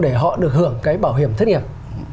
để họ được hưởng cái bảo hiểm thất nghiệp